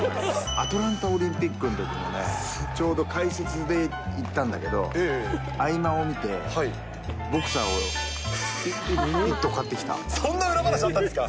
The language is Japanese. アトランタオリンピックのときのね、ちょうど解説で行ったんだけど、合間を見て、そんな裏話あったんですか。